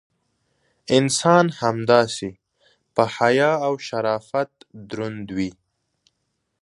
انسان همداسې: په حیا او شرافت دروند وي.